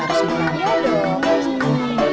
harus menang semua